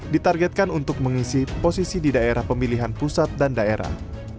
ditargetkan untuk mengisi posisi di daerah pemilihan pusat dan daerah